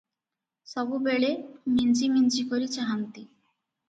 ସବୁବେଳେ ମିଞ୍ଜି ମିଞ୍ଜି କରି ଚାହାଁନ୍ତି ।